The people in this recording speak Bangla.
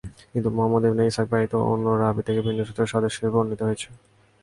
কিন্তু মুহাম্মদ ইবন ইসহাক ব্যতীত অন্য রাবী থেকে ভিন্ন সূত্রেও হাদীসটি বর্ণিত হয়েছে।